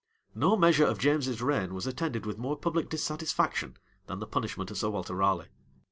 No measure of James's reign was attended with more public dissatisfaction than the punishment of Sir Walter Raleigh.